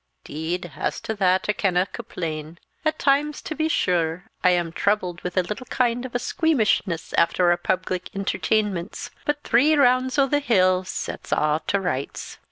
"'Deed, as to that I canna compleen. At times, to be sure, I am troubled with a little kind of a squeamishness after our public interteenments; but three rounds o' the hill sets a' to rights."